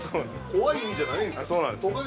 怖い意味じゃないんですね。